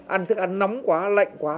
ăn thức ăn nóng quá lạnh quá